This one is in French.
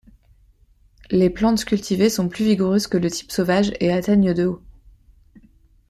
Les plantes cultivées sont plus vigoureuses que le type sauvage et atteignent de haut.